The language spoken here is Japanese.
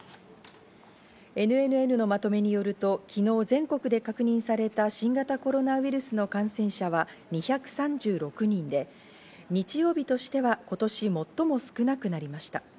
ＮＮＮのまとめによると、昨日全国で確認された新型コロナウイルスの感染者は２３６人で、日曜日としては今年最も少なくなりました。